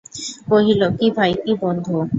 কহিল, কী ভাই, কী বন্ধু!